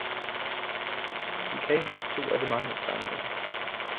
He came back to where the man was standing.